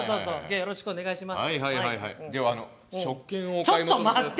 よろしくお願いします。